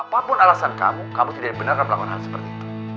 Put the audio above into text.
apapun alasan kamu kamu tidak benarkan berlakon hal seperti itu